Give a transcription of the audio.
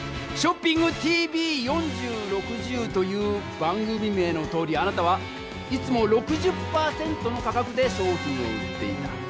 「ショッピングＴＶ４０／６０」という番組名のとおりあなたはいつも６０％の価格で商品を売っていた。